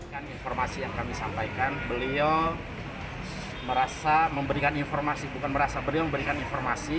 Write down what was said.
dan informasi yang kami sampaikan beliau merasa memberikan informasi